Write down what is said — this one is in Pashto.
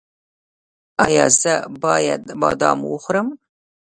ایا زه باید بادام وخورم؟